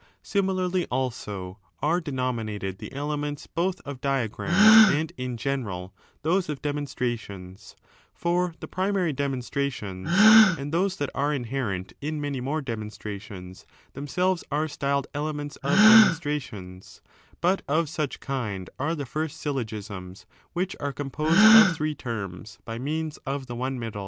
Simi larly, also, are denominated the elements both of diagrams and, in general, those of demonstrations; for the primary demonstrations, and those that are inherent in many more demonstrations, themselves are styled elements of demon strations : but of such kind are the first syllogisms, which are composed of three terms by means of the one middle.